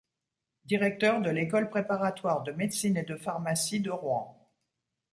Directeur de l’École préparatoire de médecine et de pharmacie de Rouen.